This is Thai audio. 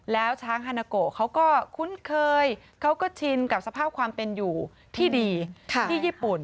แล้วช้างฮานาโกะเขาก็คุ้นเคยเขาก็ชินกับสภาพความเป็นอยู่ที่ดีที่ญี่ปุ่น